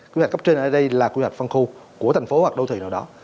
quy hoạch cấp trên ở đây là quy hoạch phân khu của thành phố hoặc đô thị nào đó